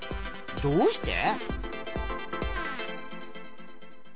どうして？